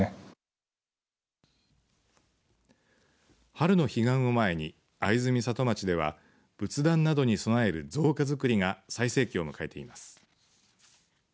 春の彼岸を前に会津美里町では仏壇などに備える造花づくりが最盛期を迎えています。